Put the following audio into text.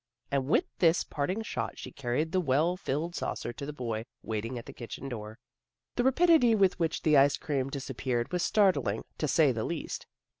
And with this parting shot she car ried the well filled saucer to the boy waiting at the kitchen door. The rapidity with which the ice cream dis appeared was startling, to say the least.